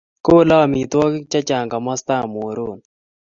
kolu omitwokik chechang komostab Muhoroni